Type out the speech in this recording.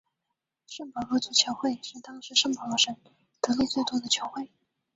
圣保罗足球会是当时圣保罗省得利最多的球会。